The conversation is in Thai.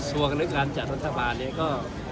กระทรวงกรรมจัดทศปราณนี้ก็